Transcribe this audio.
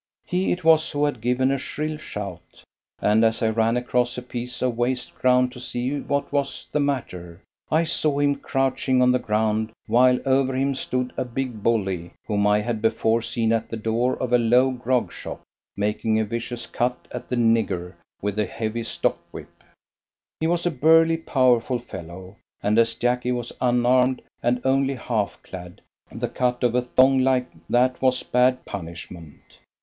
He it was who had given a shrill shout, and as I ran across a piece of waste ground to see what was the matter, I saw him crouching on the ground, while over him stood a big bully, whom I had before seen at the door of a low grog shop; making a vicious cut at the "nigger" with a heavy stock whip. He was a burly, powerful fellow, and, as Jacky was unarmed and only half clad, the cut of a thong like that was bad punishment.